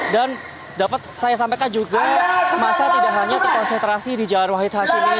dan dapat saya sampaikan juga masa tidak hanya terkonsentrasi di jalan wahid hashim ini